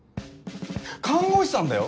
看護師さんだよ？